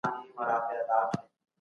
شرف یوازې په تقوا کي دی.